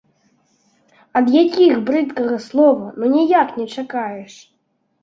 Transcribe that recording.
Ад якіх брыдкага слова ну ніяк не чакаеш!